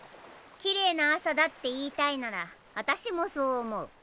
きれいな朝だって言いたいならあたしもそう思う。